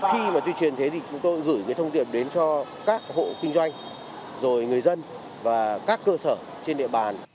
khi tuyên truyền thế chúng tôi gửi thông tiệp đến cho các hộ kinh doanh người dân và các cơ sở trên địa bàn